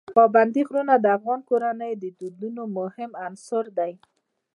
پابندی غرونه د افغان کورنیو د دودونو مهم عنصر دی.